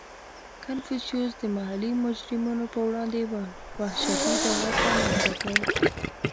• کنفوسیوس د محلي مجرمینو په وړاندې وحشتي دولت رامنځته کړ.